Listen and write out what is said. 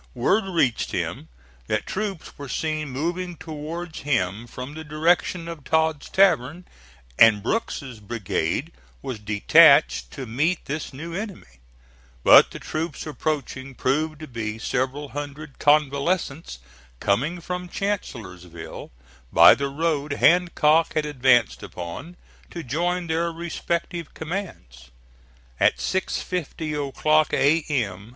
Word reached him that troops were seen moving towards him from the direction of Todd's Tavern, and Brooke's brigade was detached to meet this new enemy; but the troops approaching proved to be several hundred convalescents coming from Chancellorsville, by the road Hancock had advanced upon, to join their respective commands. At 6.50 o'clock A.M.